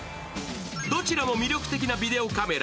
どちらも魅力的なビデオカメラ。